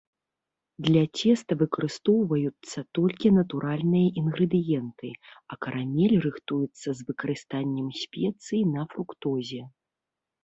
Для цеста выкарыстоўваюцца толькі натуральныя інгрэдыенты, а карамель рыхтуецца з выкарыстаннем спецый на фруктозе.